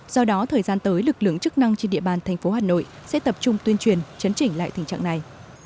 do đó thời gian tới lực lượng chức năng trên địa bàn thành phố hà nội sẽ tập trung tuyên truyền chấn chỉnh lại tình trạng này